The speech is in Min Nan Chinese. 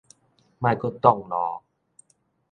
莫閣擋路